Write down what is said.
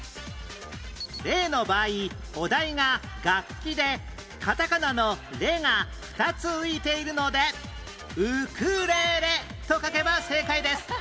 例の場合お題が「楽器」でカタカナの「レ」が２つ浮いているので「ウクレレ」と書けば正解です